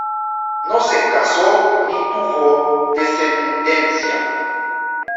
No se casó ni tuvo descendencia.